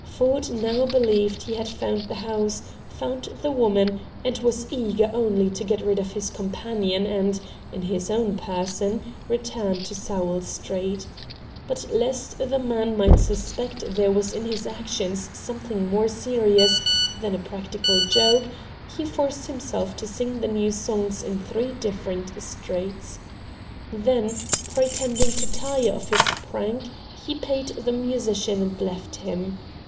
Ford now believed he had found the house, found the woman, and was eager only to get rid of his companion and, in his own person, return to Sowell Street. But, lest the man might suspect there was in his actions something more serious than a practical joke, he forced himself to sing the new songs in three different streets. Then, pretending to tire of his prank, he paid the musician and left him.